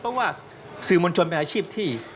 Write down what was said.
เพราะว่าสื่อมวลชนเป็นอาชีพที่